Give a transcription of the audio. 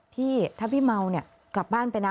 พี่ถ้าพี่เมาเนี่ยกลับบ้านไปนะ